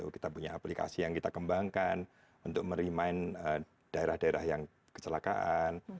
kita punya aplikasi yang kita kembangkan untuk meremin daerah daerah yang kecelakaan